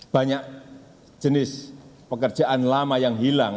banyak jenis pekerjaan lama yang hilang